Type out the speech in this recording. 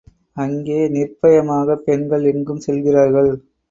அங்கே நிர்ப்பயமாகப் பெண்கள் எங்கும் செல்கிறார்கள்.